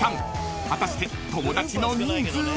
［果たして友だちの人数は？］